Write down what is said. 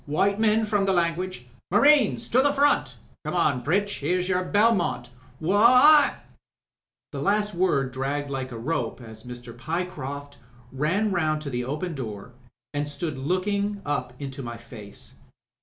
"White men from the language. Marines to the front I Come on, Pritch. Here's your Belmont. Wha — i —''" MRS, BATHtJRST 315 The last word dragged like a rope as Mr. Pyecroft ran round to the open door, and stood looking up into my face.